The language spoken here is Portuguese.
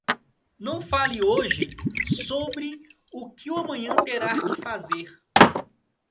Não fale hoje sobre o que o amanhã terá que fazer.